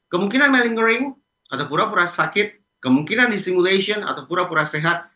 kemungkinan melingering atau pura pura sakit kemungkinan di simulation atau pura pura sehat